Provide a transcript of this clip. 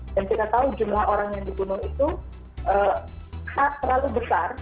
dan kita tahu jumlah orang yang dibunuh itu tak terlalu besar